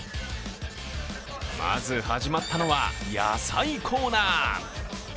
まず始まったのは、野菜コーナー。